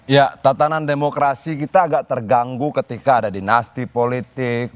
ya tatanan demokrasi kita agak terganggu ketika ada dinasti politik